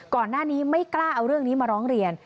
ก่อนหน้านี้ไม่กล้าเอาเรื่องนี้มาร้องเรียน